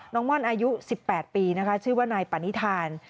ม่อนอายุ๑๘ปีนะคะชื่อว่านายปณิธาน